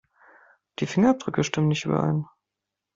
Die Fingerabdrücke stimmen nicht überein.